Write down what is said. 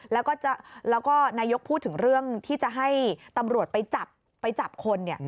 แล้วก็นายกรัฐมนตรีพูดถึงเรื่องที่จะให้ตำรวจไปจับคนเนี่ย